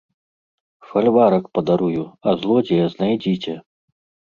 Фальварак падарую, а злодзея знайдзіце!